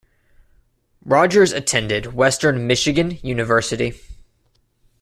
Rogers attended Western Michigan University.